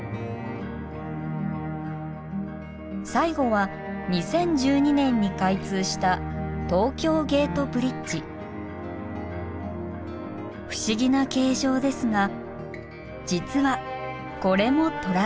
最後は２０１２年に開通した不思議な形状ですが実はこれもトラス橋。